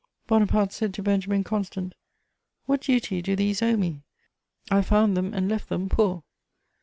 Bonaparte said to Benjamin Constant: "What duty do these owe me? I found them and left them poor."